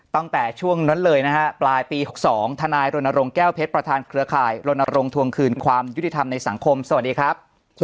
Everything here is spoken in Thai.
ตั้งแต่ช่วงนั้นเลยนะฮะปลายปี๖๒ทนายรณรงค์แก้วเพชรประธานเครือข่ายรณรงค์ทวงคืนความยุติธรรมในสังคมสวัสดีครับ